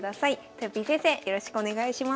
とよぴー先生よろしくお願いします。